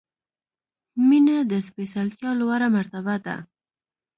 • مینه د سپېڅلتیا لوړه مرتبه ده.